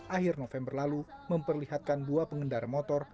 akhir november lalu memperlihatkan dua pengendara motor